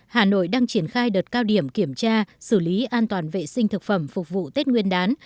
hà nội đang triển khai đợt cao điểm kiểm tra xử lý an toàn vệ sinh thực phẩm phục vụ tết nguyên đán